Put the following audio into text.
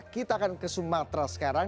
kita akan ke sumatera sekarang